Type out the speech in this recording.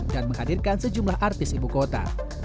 menghadirkan sejumlah artis ibu kota